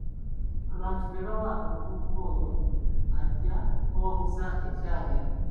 Abantu ne bawa omuvubuka oyo ajja awaguza, ekyanya.